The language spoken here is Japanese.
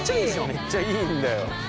めっちゃいいんだよ。